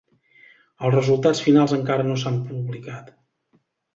Els resultats finals encara no s'han publicat.